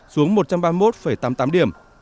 xuống một trăm ba mươi một tám mươi tám điểm